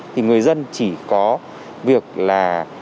thì người dân chỉ có việc là